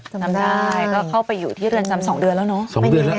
จำได้ก็เข้าไปอยู่ที่เรือนจำ๒เดือนแล้วเนอะ